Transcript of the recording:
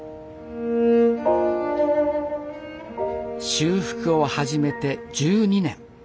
修復を始めて１２年。